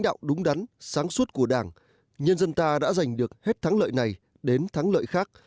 đạo đúng đắn sáng suốt của đảng nhân dân ta đã giành được hết thắng lợi này đến thắng lợi khác